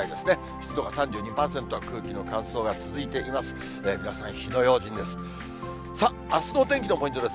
湿度が３２％、空気の乾燥が続いています。